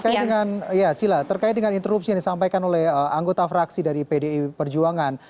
iya cila terkait dengan interupsi yang disampaikan oleh anggota fraksi dari pdi perjuangan